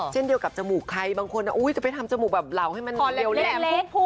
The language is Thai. เช่นเดียวกับจมูกใครบางคนจะไปทำจมูกแบบเหล่าให้มันเร็วแหละ